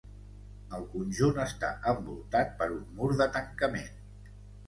El conjunt està envoltat per un mur de tancament.